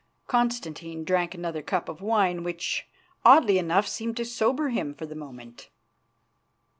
Constantine drank another cup of wine, which, oddly enough, seemed to sober him for the moment.